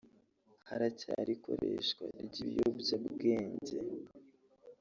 haracyari ikoreshwa ry’ibiyobyabwenge